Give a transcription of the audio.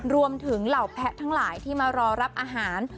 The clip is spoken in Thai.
รวมถึงเหล่าแพทน์ทั้งหลายที่มารอรับอาหาร